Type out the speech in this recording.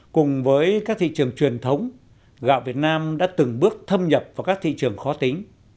cùng với các thị trường truyền thống gạo việt nam đã từng bước thâm nhập vào các thị trường khó tính